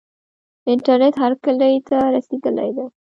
انټرنیټ هر کلي ته رسیدلی دی.